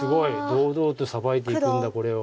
堂々とサバいていくんだこれを。